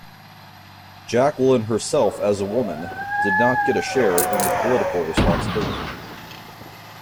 Jacqueline herself as a woman, did not get a share in the political responsibility.